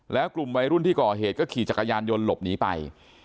แล้วกลุ่มวัยรุ่นที่ก่อเหตุก็ขี่จักรยานยนต์หลบหนีไป